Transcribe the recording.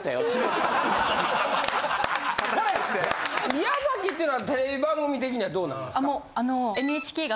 宮崎っていうのはテレビ番組的にはどうなんですか？